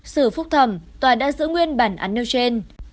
xử phúc thẩm tòa đã giữ nguyên bản án nêu trên